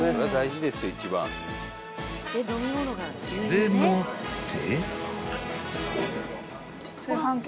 ［でもって］